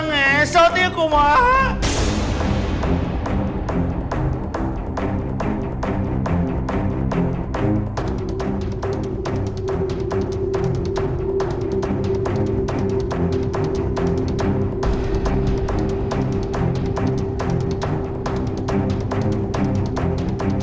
ngesot ya kumaha